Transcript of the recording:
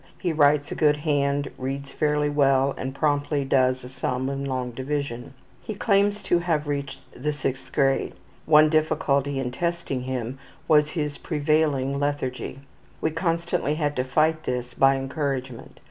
He writes a good hand, reads fairly well, and promptly does a sum in long division. He claims to have reached the 6th grade. One difficulty in testing him was his prevailing lethargy. We constantly had to fight this by encouragement.